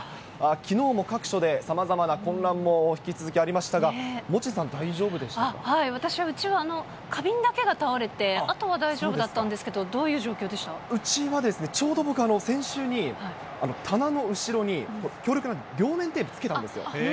きのうも各所でさまざまな混乱も引き続きありましたが、モッチー私は、うちは花瓶だけが倒れて、あとは大丈夫だったんですけど、どういうちはですね、ちょうど僕、先週に棚の後ろに強力な両面テープ付けたんですよ。